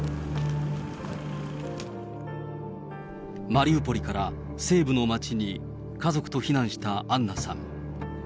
マリウポリから、西部の街に家族と避難したアンナさん。